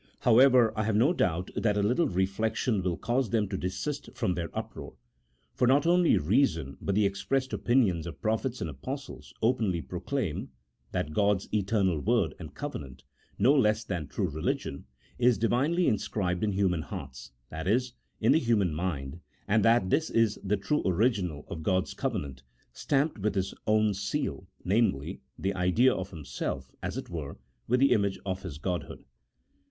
However, I have no doubt that a little reflection will cause them to desist from their uproar: for not only reason but the expressed opinions of prophets and apostles openly proclaim that God's eternal Word and covenant, no less than true religion, is Divinely inscribed in human hearts, that is, in the human mind, and that this is the true original of God's covenant, stamped with His own seal, namely, the idea of Himself, as it were, with the image of His Godhood.